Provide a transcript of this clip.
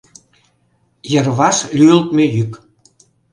Йырваш лӱйылтмӧ йӱк.